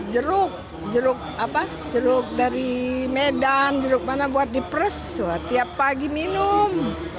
jeruk jeruk jeruk dari medan jeruk mana buat di pres tiap pagi minum